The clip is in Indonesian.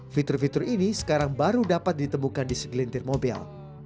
fitur fitur ini sekarang baru dapat ditemukan di segelintir mobil